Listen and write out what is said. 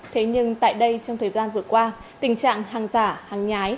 thế nhưng tại đây trong thời gian vừa qua tình trạng hàng giả hàng nhái